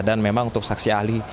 memang untuk saksi ahli